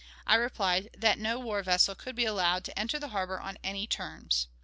I replied that no war vessel could be allowed to enter the harbor on any terms.